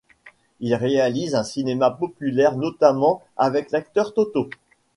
Il réalise un cinéma populaire, notamment avec l'acteur Totò.